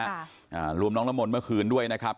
อ่ารวมน้องนามมนมาคืนด้วยนะครับ